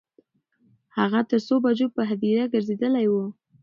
هغه تر څو بجو په هدیرې ګرځیدلی و.